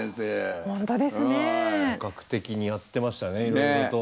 本格的にやってましたねいろいろと。